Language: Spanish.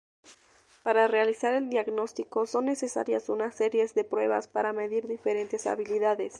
Para realizar el diagnóstico son necesarias unas series de pruebas para medir diferentes habilidades.